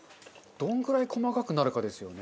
どのくらい細かくなるかですよね。